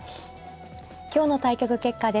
今日の対局結果です。